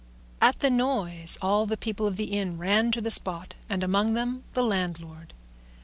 At the noise all the people of the inn ran to the spot, and among them the landlord.